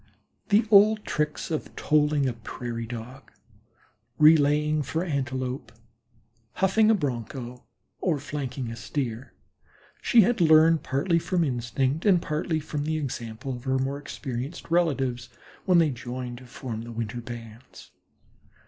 The old tricks of tolling a Prairie Dog, relaying for Antelope, houghing a Bronco or flanking a Steer she had learned partly from instinct and partly from the example of her more experienced relatives, when they joined to form the winter bands.